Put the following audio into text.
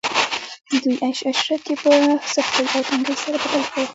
د دوی عيش عشرت ئي په سختۍ او تنګۍ سره بدل کړ